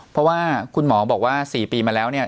เพราะว่าคุณหมอบอกว่า๔ปีมาแล้วเนี่ย